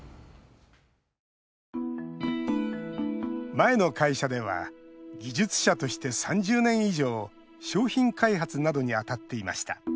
前の会社では技術者として、３０年以上商品開発などに当たっていました。